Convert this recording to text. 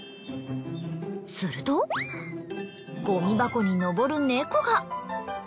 するとゴミ箱に上るネコが。